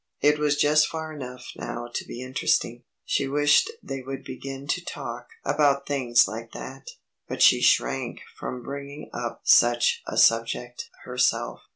It was just far enough now to be interesting. She wished they would begin to talk about things like that, but she shrank from bringing up such a subject herself.